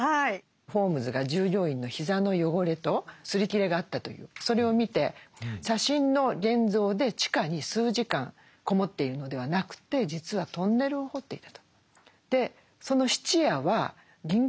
ホームズが従業員の膝の汚れと擦り切れがあったというそれを見て写真の現像で地下に数時間籠もっているのではなくて実はそういう事件でした。